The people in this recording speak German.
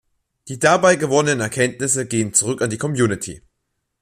Die dabei gewonnenen Erkenntnisse gehen zurück an die Community.